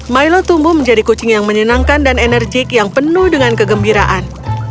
milo tumbuh menjadi kucing yang menyenangkan dan enerjik yang penuh dengan kegembiraan